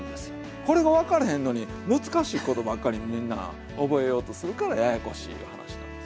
これが分かれへんのに難しいことばっかりみんな覚えようとするからややこしいいう話なんです。